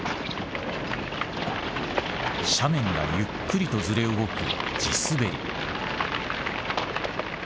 斜面がゆっくりとずれ動く地滑り。